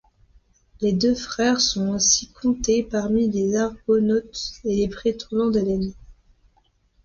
Les deux frères sont aussi comptés parmi les Argonautes et les prétendants d'Hélène.